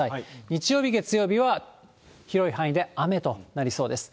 日曜日、月曜日は、広い範囲で雨となりそうです。